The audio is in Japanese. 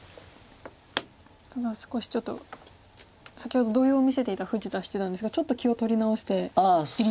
ただ少しちょっと先ほど動揺を見せていた富士田七段ですがちょっと気を取り直しているようにも見えますね。